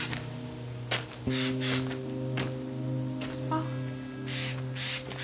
あっ。